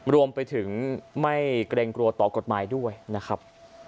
รวมไปถึงไม่เกรงกลัวต่อกฎหมายด้วยนะครับ